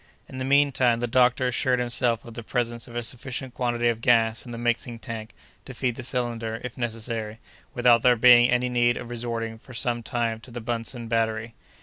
In the mean time the doctor assured himself of the presence of a sufficient quantity of gas in the mixing tank to feed the cylinder, if necessary, without there being any need of resorting for some time to the Buntzen battery.